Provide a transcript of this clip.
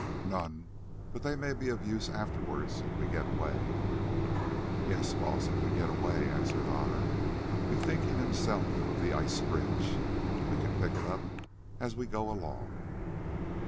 "None, but they may be of use afterwards, if we get away." "Yes, Baas, if we get away," answered Otter, bethinking himself of the ice bridge. "Well, we can pick it up as we go along."